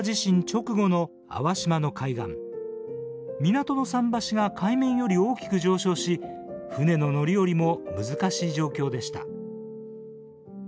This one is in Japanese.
港の桟橋が海面より大きく上昇し船の乗り降りも難しい状況でした。